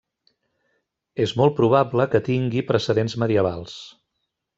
És molt probable que tingui precedents medievals.